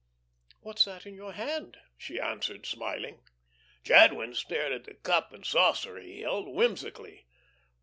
"What's that in your hand?" she answered, smiling. Jadwin stared at the cup and saucer he held, whimsically.